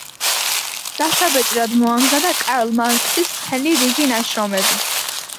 დასაბეჭდად მოამზადა კარლ მარქსის მთელი რიგი ნაშრომები.